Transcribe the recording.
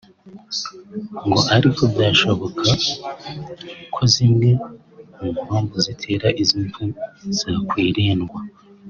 ngo ariko byashoboka ko zimwe mu mpamvu zitera izo mpfu zakwirindwa